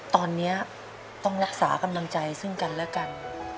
ตอนนี้ต้องรักษากำลังใจซึ่งกันและกัน